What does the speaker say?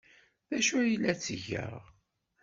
D acu ay la ttgeɣ?